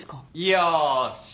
よし！